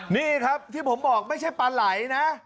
นี่ครับที่ผมบอกไม่ใช่ปลาไหลนะ